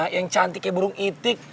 yang cantik kaya burung itik